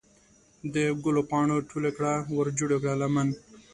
د ګلو پاڼې ټولې کړه ورجوړه کړه لمن